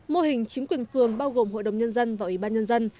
mô hình chính quyền phường bao gồm hội đồng nhân dân và ủy ban nhân dân